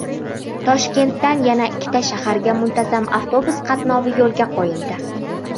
Toshkentdan yana ikkita shaharga muntazam avtobus qatnovi yo‘lga qo‘yildi